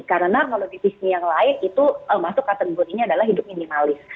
karena kalau di visi yang lain itu masuk ke atas dunia adalah hidup minimalis